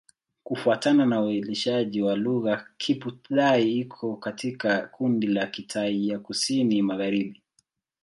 Kufuatana na uainishaji wa lugha, Kiphu-Thai iko katika kundi la Kitai ya Kusini-Magharibi.